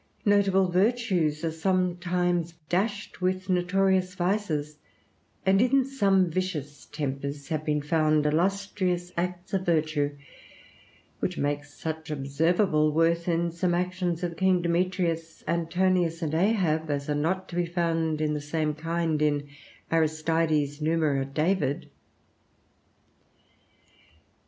Notable virtues are sometimes dashed with notorious vices, and in some vicious tempers have been found illustrious acts of virtue, which makes such observable worth in some actions of King Demetrius, Antonius, and Ahab, as are not to be found in the same kind in Aristides, Numa, or David.